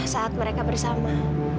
saat mereka bersama